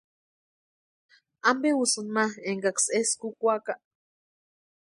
¿Ampe úsïni ma enkaksï eskwa úkwaaka?